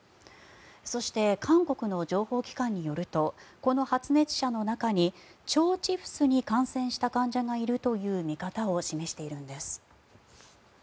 そして、韓国の情報機関によるとこの発熱者の中に腸チフスに感染した患者がいるという見方を示しているんです。